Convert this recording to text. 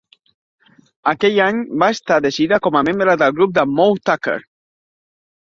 Aquell any va estar de gira com a membre del grup de Moe Tucker.